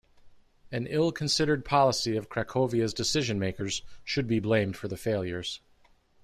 An ill-considered policy of Cracovia's decision-makers should be blamed for the failures.